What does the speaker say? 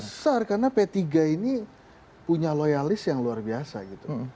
sangat besar karena p tiga ini punya loyalis yang luar biasa gitu